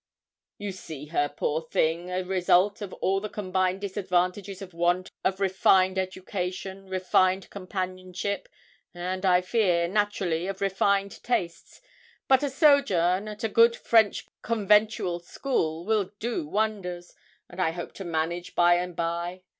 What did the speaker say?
'You see her, poor thing, a result of all the combined disadvantages of want of refined education, refined companionship, and, I fear, naturally, of refined tastes; but a sojourn at a good French conventual school will do wonders, and I hope to manage by and by.